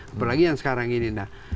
apalagi yang sekarang ini